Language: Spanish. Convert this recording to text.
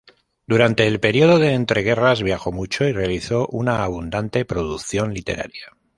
Durante el período de entreguerras, viajó mucho y realizó una abundante producción literaria.